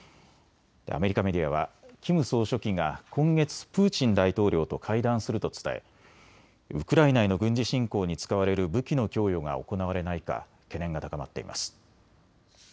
アメリカメディアはキム総書記が今月、プーチン大統領と会談すると伝えウクライナへの軍事侵攻に使われる武器の供与が行われないか懸念が高まっています。